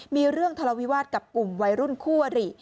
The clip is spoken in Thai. มีเรื่องทะเลาวิวาสกับกลุ่มวัยรุ่นคู่อริ